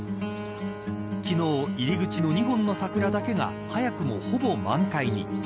昨日、入り口の２本の桜だけが早くも、ほぼ満開に。